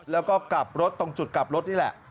แล้วก็กลับรถตรงจุดกลับรถนี่แหละ